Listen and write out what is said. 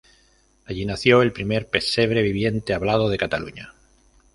Allí nació el primer pesebre viviente hablado de Cataluña.